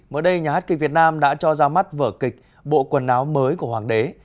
mới đây nhà hát kịch việt nam đã cho ra mắt vở kịch bộ quần áo mới của hoàng đế